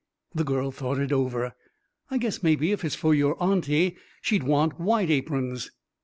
The girl thought it over. "I reckon maybe if she's your auntie she'd want white aprons."